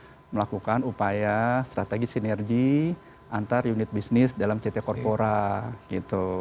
kita melakukan upaya strategi sinergi antar unit bisnis dalam ct corpora gitu